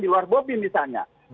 di luar bobi misalnya